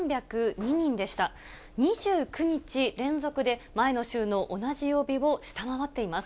２９日連続で前の週の同じ曜日を下回っています。